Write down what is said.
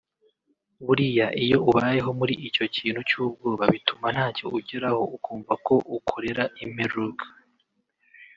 Buriya iyo ubayeho muri icyo kintu cy’ubwoba bituma ntacyo ugeraho ukumva ko ukorera impreuka